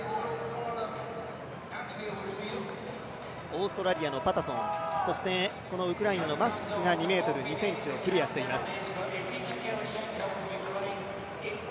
オーストラリアのパタソンそしてウクライナのマフチクが２ｍ２ｃｍをクリアしています。